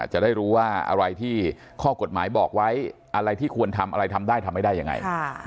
จะได้รู้ว่าอะไรที่ข้อกฎหมายบอกไว้อะไรที่ควรทำอะไรทำได้ทำไม่ได้ยังไง